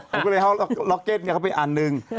ผมก็เลยล็อกเก็ตเข้าไปอันนึง